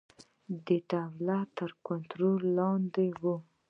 د دولت تر کنټرول لاندې وو.